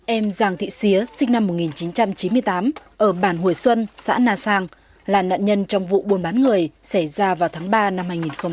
em giàng thị xía sinh năm một nghìn chín trăm chín mươi tám ở bản hồi xuân xã na sang là nạn nhân trong vụ buôn bán người xảy ra vào tháng ba năm hai nghìn một mươi tám